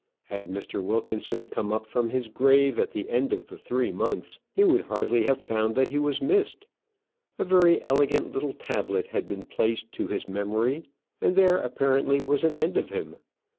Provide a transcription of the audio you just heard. Had Mr. Wilkinson come up from his grave at the end of three months, he would hardly have found that he was missed. A very elegant little tablet had been placed to his memory; and there apparently was an end of him.